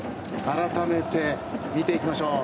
改めて見ていきましょう。